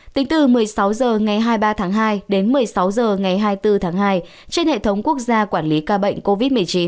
tính từ một mươi sáu h ngày hai mươi ba tháng hai đến một mươi sáu h ngày hai mươi bốn tháng hai trên hệ thống quốc gia quản lý ca bệnh covid một mươi chín